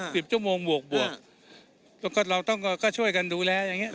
สิบชั่วโมงบวกบวกแล้วก็เราต้องก็ช่วยกันดูแลอย่างเงี้